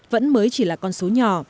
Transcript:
vẫn mới chỉ là con số nhỏ